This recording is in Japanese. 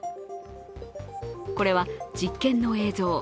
これは実験の映像。